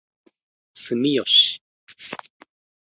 住吉